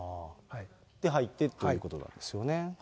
入ってということなんですよね。